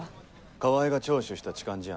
川合が聴取した痴漢事案